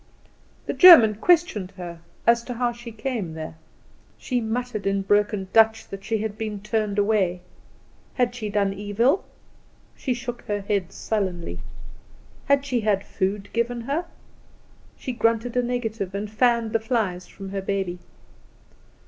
The German questioned her as to how she came there. She muttered in broken Dutch that she had been turned away. Had she done evil? She shook her head sullenly. Had she had food given her? She grunted a negative, and fanned the flies from her baby.